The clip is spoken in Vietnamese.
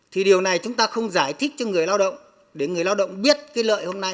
thì điều này chúng ta không giải thích cho người lao động để người lao động biết cái lợi hôm nay